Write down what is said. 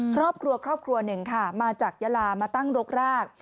ครอบครัวครอบครัวหนึ่งค่ะมาจากยาลามาตั้งรกราก